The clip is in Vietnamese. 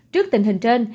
trước tình hình trên